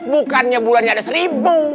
bukannya bulannya ada seribu